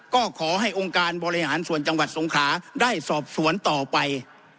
ก็ขอให้องค์การบริหารส่วนจังหวัดสงขาได้สอบสวนต่อไป